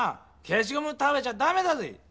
けしごむ食べちゃダメだぜぇ！